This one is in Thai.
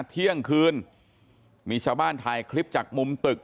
เที่ยงคืนมีชาวบ้านถ่ายคลิปจากมุมตึก